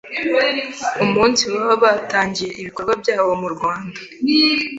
umunsi baba batangiye ibikorwa byabo mu Rwanda.